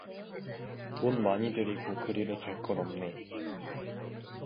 돈 많이 들이고 그리로 갈 것 없네.